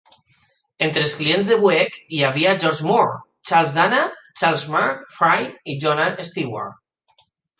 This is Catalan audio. Entre els clients de Buek hi havia George Moore, Charles Dana, Charles M. Fry i John A. Stewart.